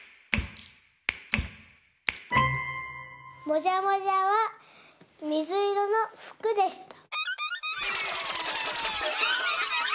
もじゃもじゃはみずいろのふくでした。